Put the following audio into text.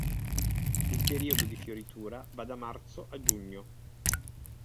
Il periodo di fioritura va da Marzo a Giugno.